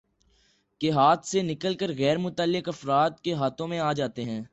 کے ہاتھ سے نکل کر غیر متعلق افراد کے ہاتھوں میں آجاتے ہیں